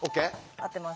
合ってます。